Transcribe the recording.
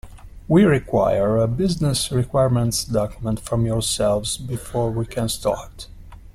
We require a business requirements document from yourselves before we can start.